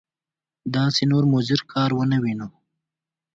داسې نور مضر کارونه وینو.